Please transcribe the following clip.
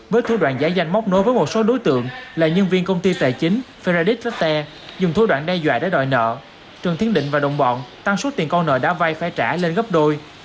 với thủ đoạn giải danh móc nối với một số đối tượng là nhân viên công ty tài chính fedradit ret dùng thủ đoạn đe dọa để đòi nợ trần tiến định và đồng bọn tăng số tiền con nợ đã vay phải trả lên gấp đôi